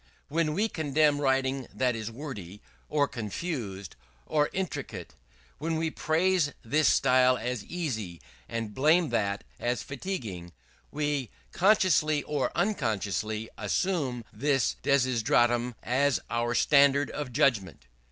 When we condemn writing that is wordy, or confused, or intricate when we praise this style as easy, and blame that as fatiguing, we consciously or unconsciously assume this desideratum as our standard of judgment.